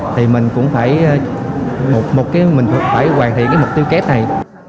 thì mình cũng phải một cái